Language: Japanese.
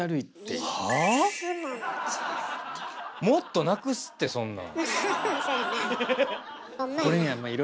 ⁉もっとなくすってそんなん。